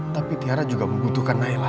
tapi tiara juga membutuhkan naila